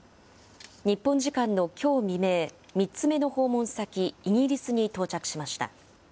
日本時間のきょう未明、３つ目の訪問先、イギリスに到着しました。